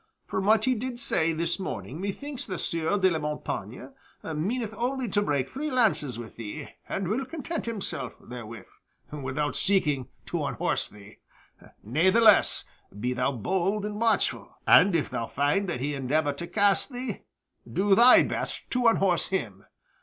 From what he did say this morning, methinks the Sieur de la Montaigne meaneth only to break three lances with thee, and will content himself therewith, without seeking to unhorse thee. Ne'theless, be thou bold and watchful, and if thou find that he endeavor to cast thee, do thy best to unhorse him.